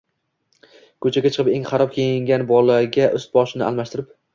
ko’chaga chiqib, eng xarob kiyingan bolaga ust boshini almashtirib